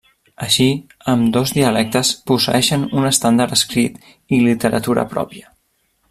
Així, ambdós dialectes posseeixen un estàndard escrit i literatura pròpia.